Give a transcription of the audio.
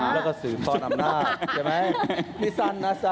แล้วก็สืบทอดอำนาจใช่ไหมนี่สั้นนะสั้น